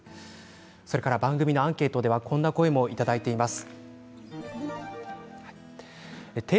それから番組のアンケートではこんな声をいただいています。